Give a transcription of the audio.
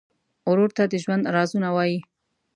ورور ته د ژوند رازونه وایې.